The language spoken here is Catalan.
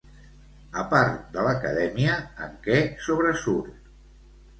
A part de l'acadèmia, en què sobresurt?